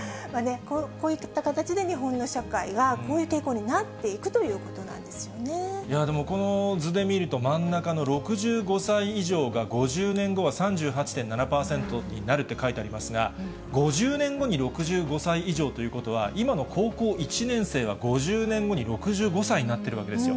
こういった形で日本の社会はこういう傾向になっていくということでもこの図で見ると、真ん中の６５歳以上が５０年後は３８．７％になるって書いてありますが、５０年後に６５歳以上ということは、今の高校１年生は５０年後に６５歳になってるわけですよ。